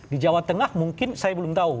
di jawa tengah mungkin saya belum tahu